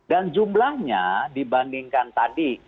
dan jumlahnya dibandingkan tadi